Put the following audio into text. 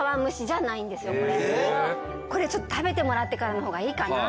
これちょっと食べてもらってからの方がいいかな。